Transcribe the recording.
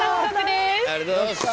ありがとうございます。